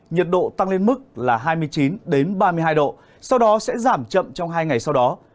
nhiệt độ tăng lên mức là hai mươi chín ba mươi hai độ sau đó sẽ giảm chậm trong hai ngày sau đó